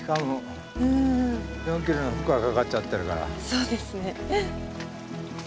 そうですね。